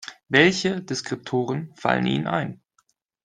Welche Deskriptoren fallen Ihnen ein?